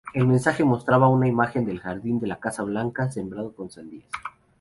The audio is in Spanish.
El mensaje mostraba una imagen del jardín de la Casa Blanca sembrado con sandías.